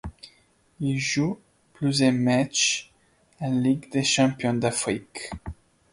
Il joue plusieurs matchs en Ligue des champions d'Afrique.